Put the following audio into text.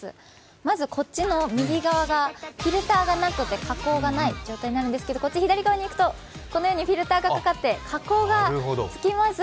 まず右側がフィルターがなくて加工がない状態なんですけどこっち左側にいくと、このようにフィルターがかかって加工がつきます。